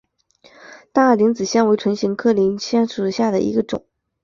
大萼铃子香为唇形科铃子香属下的一个种。